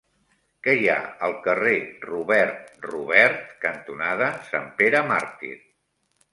Què hi ha al carrer Robert Robert cantonada Sant Pere Màrtir?